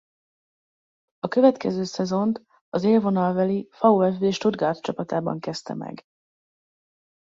A következő szezont az élvonalbeli VfB Stuttgart csapatában kezdte meg.